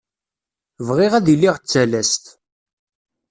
Bɣiɣ ad iliɣ d talast.